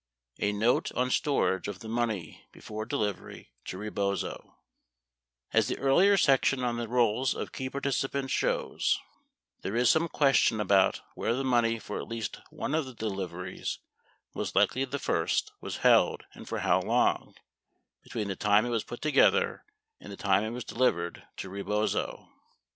A NOTE ON STORAGE OF THE MONEY BEFORE DELIVERY TO REBOZO As the earlier section on the roles of key participants shows, 66 there is some question about where the money for at least one of the deliv eries, most likely the first, was held and for how long, between the time it was put together and the time it was delivered to Rebozo.